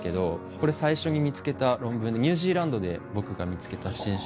これ最初に見つけた論文でニュージーランドで僕が見つけた新種を。